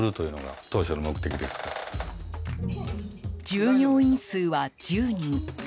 従業員数は１０人。